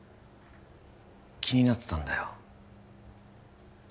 気になってたんだよ